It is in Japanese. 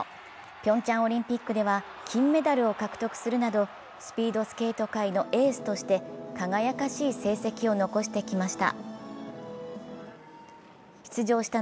ピョンチャンオリンピックでは金メダルを獲得するなどスピードスケート界のエースとして輝かしい成績を残してきました。